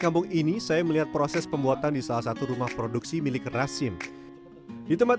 kampung ini saya melihat proses pembuatan di salah satu rumah produksi milik rasim di tempat